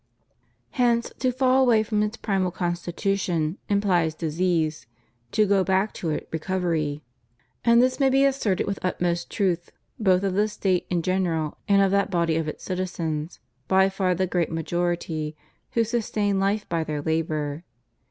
Hence to fall away from its primal constitution implies disease; to go back to it, recovery. And this may be asserted with utmost truth both of the State in general and of that body of its citizens — by far the great majority — who sustain life by their labor.